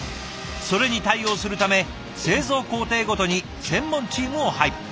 それに対応するため製造工程ごとに専門チームを配備。